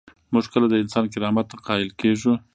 موږ کله د انسان کرامت ته قایل کیږو؟